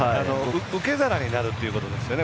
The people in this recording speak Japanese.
受け皿になるということですよね。